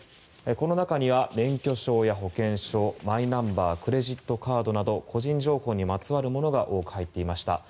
この中には免許証や保険証マイナンバークレジットカードなど個人情報にまつわるものが多く入っていました。